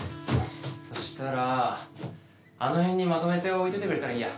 そしたらあの辺にまとめて置いといてくれたらいいや。